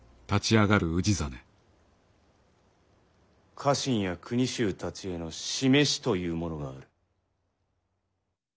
家臣や国衆たちへの示しというものがある。